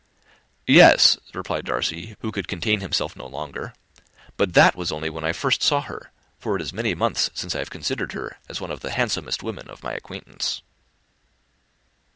"Yes," replied Darcy, who could contain himself no longer, "but that was only when I first knew her; for it is many months since I have considered her as one of the handsomest women of my acquaintance."